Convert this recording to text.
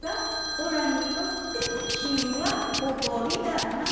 おらにとって染みは誇りだな。